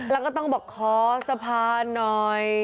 แล้วก็ต้องบอกขอสะพานหน่อย